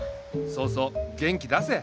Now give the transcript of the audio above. そうそう元気出せ。